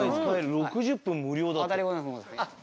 「６０分無料」だって。